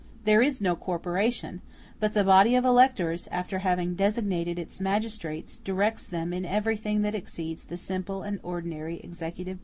There is no corporation; but the body of electors, after having designated its magistrates, directs them in everything that exceeds the simple and ordinary executive business of the State.